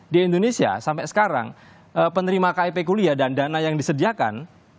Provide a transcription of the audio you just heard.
di indonesia sampai sekarang penerima kip kuliah dan dana yang disediakan